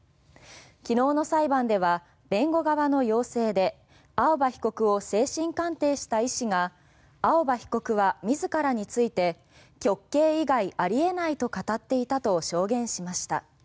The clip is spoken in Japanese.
昨日の裁判では弁護側の要請で青葉被告を精神鑑定した医師が青葉被告は自らについて極刑以外あり得ないと語っていたと証言しました。